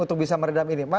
untuk bisa meredam ini